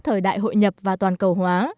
thời đại hội nhập và toàn cầu hóa